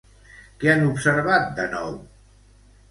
Què han observat de nou?